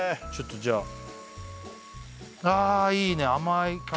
ちょっとじゃあああいいね